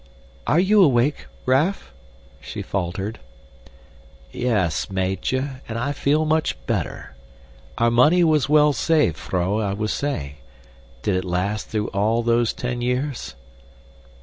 "Are you awake, Raff?" she faltered. "Yes, Meitje, and I feel much better. Our money was well saved, vrouw, I was saying. Did it last through all those ten years?"